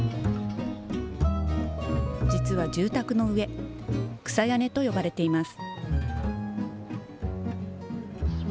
実は住宅の上、草屋根と呼ばれています。